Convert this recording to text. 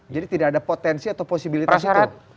jadi tidak ada potensi atau posibilitas itu